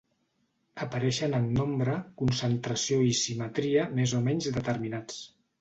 Apareixen en nombre, concentració i simetria més o menys determinats.